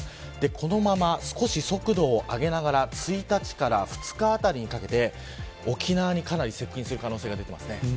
このまま少し速度を上げながら１日から２日あたりにかけて沖縄にかなり接近する可能性が出ています。